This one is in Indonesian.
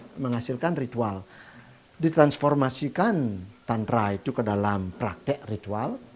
ditransformasikan ritual ditransformasikan tantra itu ke dalam praktek ritual